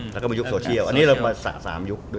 แล้วก็มายุคโซเชียลอันนี้เรามาสระ๓ยุคด้วย